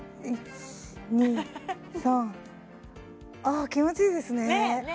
あ気持ちいいですねえ